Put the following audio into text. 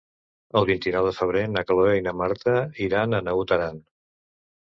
El vint-i-nou de febrer na Cloè i na Marta iran a Naut Aran.